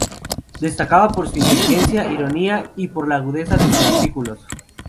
Destacaba por su inteligencia, ironía y por la agudeza de sus artículos.